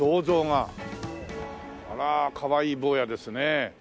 あらかわいい坊やですね。